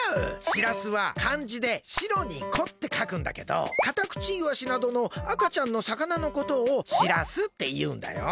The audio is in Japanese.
しらすはかんじで「白」に「子」ってかくんだけどカタクチイワシなどの赤ちゃんのさかなのことをしらすっていうんだよ。